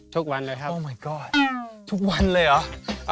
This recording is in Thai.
ทุกวันเลยครับสมัยก่อนทุกวันเลยเหรอ